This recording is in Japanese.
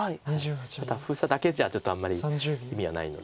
ただ封鎖だけじゃちょっとあんまり意味はないので。